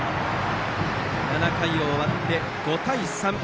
７回終わって５対３。